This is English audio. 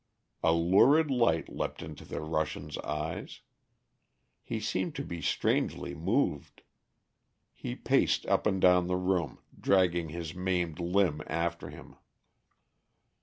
A lurid light leapt into the Russian's eyes. He seemed to be strangely moved. He paced up and down the room, dragging his maimed limb after him.